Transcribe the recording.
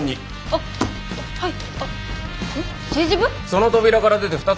あっはい。